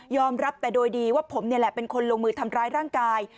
รับแต่โดยดีว่าผมนี่แหละเป็นคนลงมือทำร้ายร่างกาย